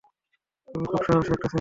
তুমি খুব সাহসী একটা ছেলে!